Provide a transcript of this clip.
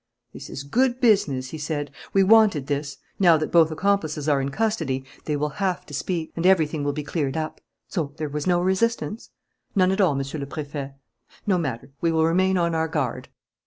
"This is good business," he said. "We wanted this. Now that both accomplices are in custody, they will have to speak; and everything will be cleared up. So there was no resistance?" "None at all, Monsieur le Préfet." "No matter, we will remain on our guard."